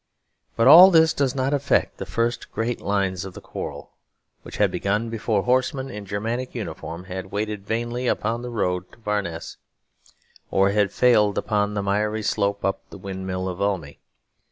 But all this does not affect the first great lines of the quarrel, which had begun before horsemen in Germanic uniform had waited vainly upon the road to Varennes or had failed upon the miry slope up to the windmill of Valmy.